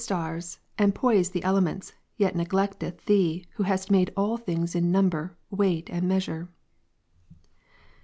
stars, and poise the elements, yet neglecteth Thee who hast M^IsdP^ ^'^^^^^^^ Miw^s in number, weight, and measure.